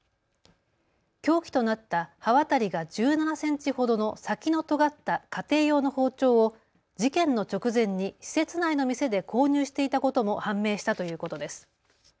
凶器となった刃渡りが１７センチほどの先のとがった家庭用の包丁を事件の直前に施設内の店で購入していたことも判明したということです。